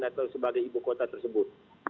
natal sebagai ibu kota tersebut